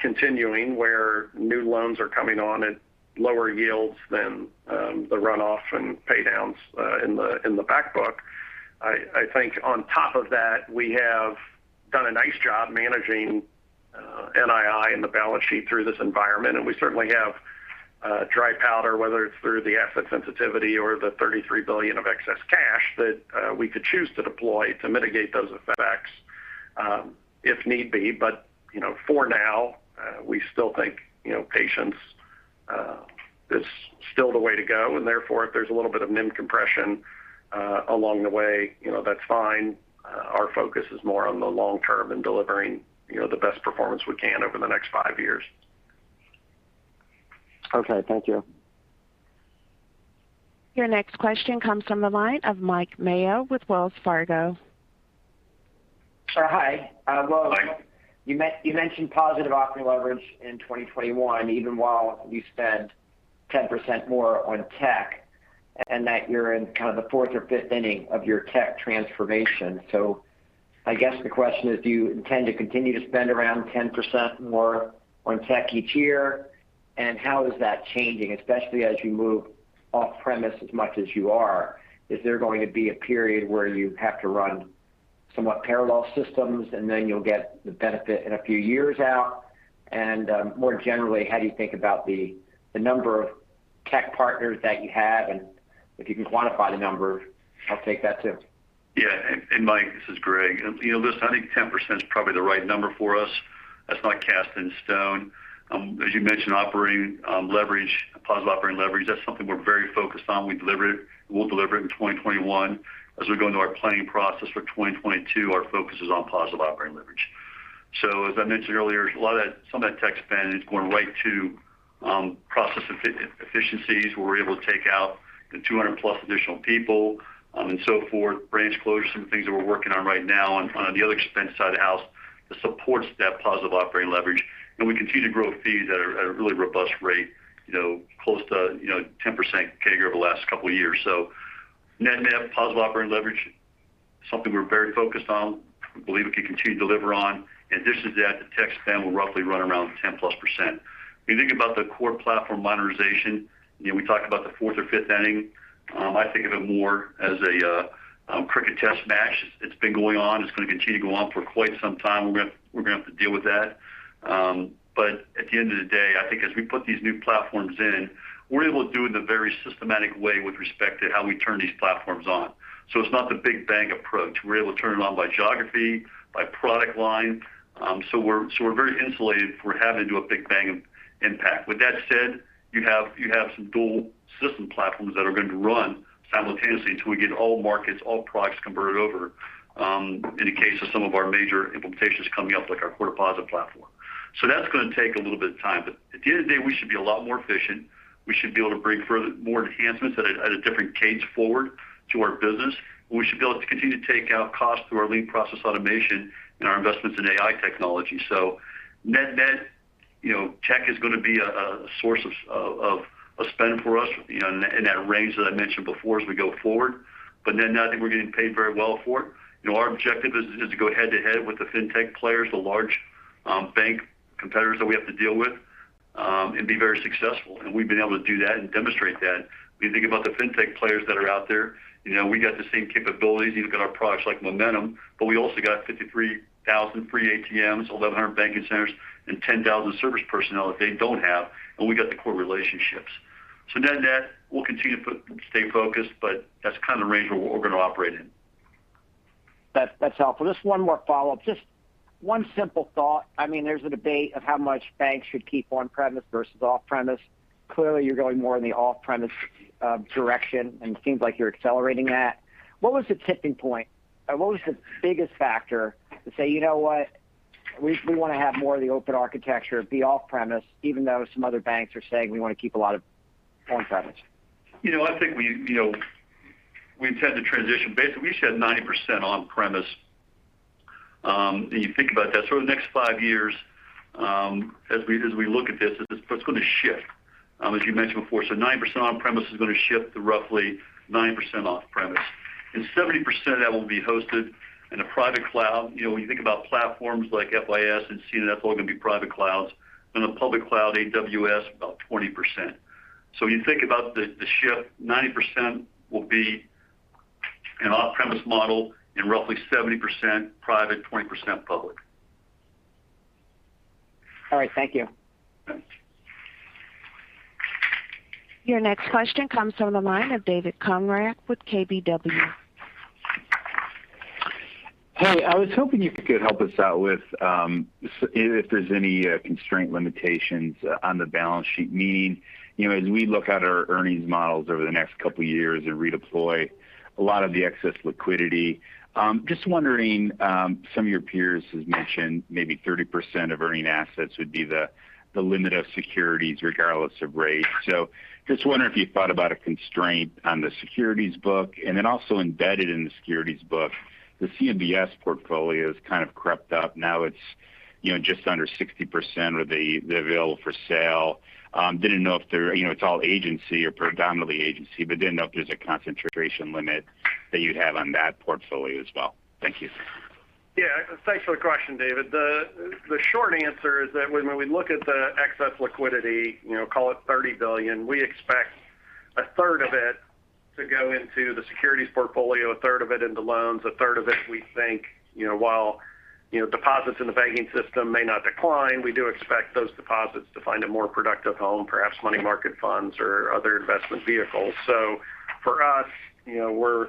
continuing where new loans are coming on at lower yields than the runoff and pay downs in the back book. I think on top of that, we have done a nice job managing NII and the balance sheet through this environment. We certainly have dry powder, whether it's through the asset sensitivity or the $33 billion of excess cash that we could choose to deploy to mitigate those effects if need be. For now, we still think patience is still the way to go. Therefore, if there's a little bit of NIM compression along the way, that's fine. Our focus is more on the long term and delivering the best performance we can over the next five years. Okay. Thank you. Your next question comes from the line of Mike Mayo with Wells Fargo. Hi. You mentioned positive operating leverage in 2021, even while you spent 10% more on tech, and that you're in kind of the fourth or fifth inning of your tech transformation. I guess the question is, do you intend to continue to spend around 10% more on tech each year? How is that changing, especially as you move off-premise as much as you are? Is there going to be a period where you have to run somewhat parallel systems, and then you'll get the benefit in a few years out? More generally, how do you think about the number of tech partners that you have? If you can quantify the number, I'll take that too. Yeah. Mike, this is Greg. Listen, I think 10% is probably the right number for us. That's not cast in stone. As you mentioned, positive operating leverage, that's something we're very focused on. We'll deliver it in 2021. As we go into our planning process for 2022, our focus is on positive operating leverage. As I mentioned earlier, some of that tech spend is going right to process efficiencies where we're able to take out the 200+ additional people and so forth. Branch closures, some things that we're working on right now on the other expense side of the house that supports that positive operating leverage. We continue to grow fees at a really robust rate, close to 10% CAGR over the last couple of years. Net positive operating leverage, something we're very focused on, we believe we can continue to deliver on. In addition to that, the tech spend will roughly run around 10%+. When you think about the core platform modernization, we talked about the fourth or fifth inning. I think of it more as a cricket test match. It's been going on. It's going to continue to go on for quite some time. We're going to have to deal with that. At the end of the day, I think as we put these new platforms in, we're able to do it in a very systematic way with respect to how we turn these platforms on. It's not the big bang approach. We're able to turn it on by geography, by product line. We're very insulated if we're having to do a big bang impact. With that said, you have some dual system platforms that are going to run simultaneously until we get all markets, all products converted over in the case of some of our major implementations coming up, like our core deposit platform. That's going to take a little bit of time. At the end of the day, we should be a lot more efficient. We should be able to bring more enhancements at a different cadence forward to our business. We should be able to continue to take out costs through our lean process automation and our investments in AI technology. Net net, tech is going to be a source of spend for us in that range that I mentioned before as we go forward. Net net, I think we're getting paid very well for it. Our objective is to go head-to-head with the fintech players, the large bank competitors that we have to deal with, and be very successful. We've been able to do that and demonstrate that. When you think about the fintech players that are out there, we've got the same capabilities. You've got our products like Momentum, but we also got 53,000 free ATMs, 1,100 banking centers, and 10,000 service personnel that they don't have, and we got the core relationships. Net net, we'll continue to stay focused, but that's kind of the range where we're going to operate in. That's helpful. Just one more follow-up. Just one simple thought. There's a debate of how much banks should keep on-premise versus off-premise. Clearly, you're going more in the off-premise direction, and it seems like you're accelerating that. What was the tipping point? What was the biggest factor to say, "You know what? We want to have more of the open architecture be off-premise," even though some other banks are saying, "We want to keep a lot of on-premise? I think we intend to transition. Basically, we shed 90% on-premise. You think about that. In the next five years, as we look at this, it's going to shift, as you mentioned before, 90% on-premise is going to shift to roughly 90% off-premise, 70% of that will be hosted in a private cloud. When you think about platforms like FIS and nCino, all going to be private clouds. The public cloud, AWS, about 20%. When you think about the shift, 90% will be an off-premise model and roughly 70% private, 20% public. All right. Thank you. Your next question comes from the line of David Konrad with KBW. Hey, I was hoping you could help us out with if there's any constraint limitations on the balance sheet. Meaning, as we look at our earnings models over the next couple of years and redeploy a lot of the excess liquidity, just wondering, some of your peers have mentioned maybe 30% of earning assets would be the limit of securities regardless of rate. Just wonder if you thought about a constraint on the securities book. Also embedded in the securities book, the CMBS portfolio has kind of crept up. Now it's just under 60% of the available for sale. It's all agency or predominantly agency, didn't know if there's a concentration limit that you'd have on that portfolio as well. Thank you. Thanks for the question, David. The short answer is that when we look at the excess liquidity, call it $30 billion, we expect a third of it to go into the securities portfolio, a third of it into loans, a third of it, we think while deposits in the banking system may not decline, we do expect those deposits to find a more productive home, perhaps money market funds or other investment vehicles. For us, we're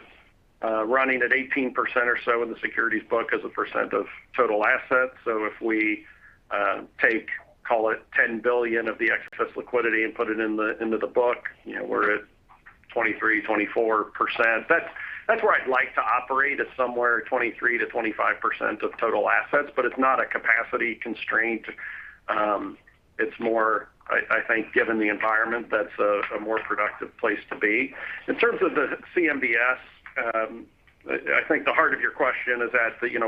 running at 18% or so in the securities book as a percent of total assets. If we take, call it, $10 billion of the excess liquidity and put it into the book, we're at 23%, 24%. That's where I'd like to operate is somewhere 23%-25% of total assets, but it's not a capacity constraint. It's more, I think given the environment, that's a more productive place to be. In terms of the CMBS, I think the heart of your question is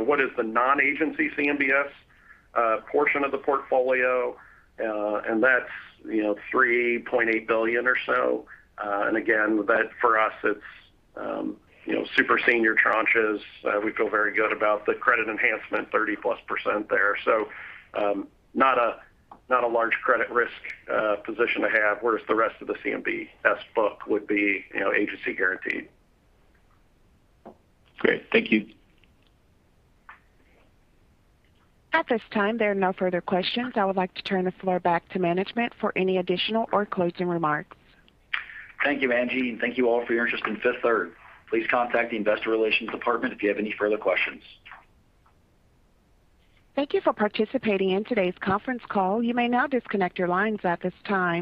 what is the non-agency CMBS portion of the portfolio? That's $3.8 billion or so. Again, that for us, it's super senior tranches. We feel very good about the credit enhancement, 30+% there. Not a large credit risk position to have, whereas the rest of the CMBS book would be agency guaranteed. Great. Thank you. At this time, there are no further questions. I would like to turn the floor back to Management for any additional or closing remarks. Thank you, Angie, and thank you all for your interest in Fifth Third. Please contact the investor relations department if you have any further questions. Thank you for participating in today's conference call. You may now disconnect your lines at this time.